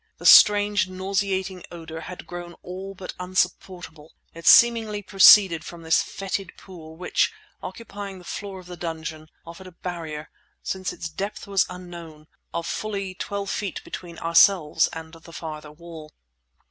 The strange, nauseating odour had grown all but unsupportable; it seemingly proceeded from this fetid pool which, occupying the floor of the dungeon, offered a barrier, since its depth was unknown, of fully twelve feet between ourselves and the farther wall.